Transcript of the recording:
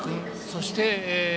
そして